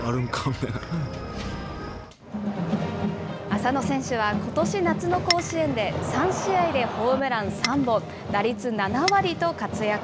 浅野選手は、ことし夏の甲子園で３試合でホームラン３本、打率７割と活躍。